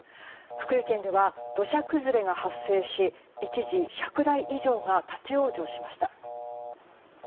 福井県では土砂崩れが発生し一時１００台以上が立ち往生しました。